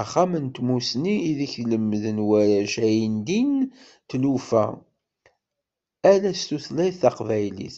Axxam n Tmussni ideg lemmden warrac ayendin d tilufa, ala s tutlayt taqbaylit.